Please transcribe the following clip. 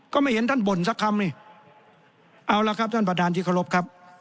ไม่เห็นท่านบ่นสักคำนี่เอาละครับท่านประธานที่เคารพครับ